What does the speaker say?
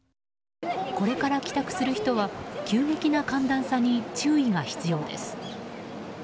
これから帰宅する人は急激な寒暖差に注意が必要です。